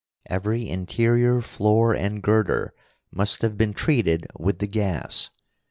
Every interior floor and girder must have been treated with the gas.